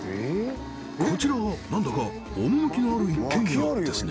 こちらはなんだか趣のある一軒家ですね